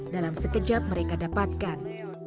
dalam sekejap mereka dapatkan